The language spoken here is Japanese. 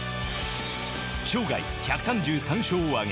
生涯１３３勝をあげ